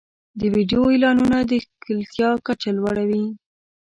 د ویډیو اعلانونه د ښکېلتیا کچه لوړوي.